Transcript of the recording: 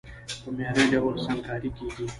په معياري ډول سنګکاري کېږي،